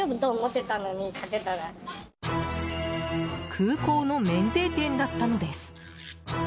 空港の免税店だったのです。